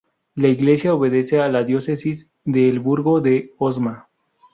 La iglesia obedece a la diócesis de El Burgo de Osma.